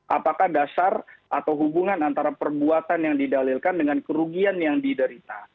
apakah dasar atau hubungan antara perbuatan yang didalilkan dengan kerugian yang diderita